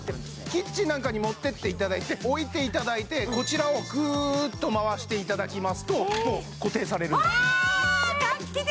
キッチンなんかに持ってっていただいて置いていただいてこちらをグッと回していただきますともう固定されるんですああ画期的！